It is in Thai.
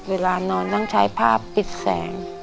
เวลานอนต้องใช้ผ้าปิดแสง